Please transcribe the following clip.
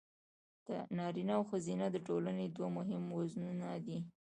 نارینه او ښځینه د ټولنې دوه مهم وزرونه دي.